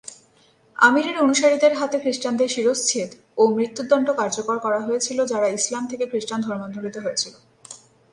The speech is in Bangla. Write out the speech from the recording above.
আমিরের অনুসারীদের হাতে খ্রিস্টানদের শিরশ্ছেদ ও মৃত্যুদণ্ড কার্যকর করা হয়েছিল যারা ইসলাম থেকে খ্রিস্টান ধর্মান্তরিত হয়েছিল।